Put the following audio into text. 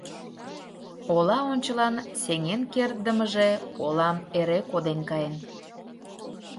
Ола ончылан сеҥен кертдымыже олам эре коден каен.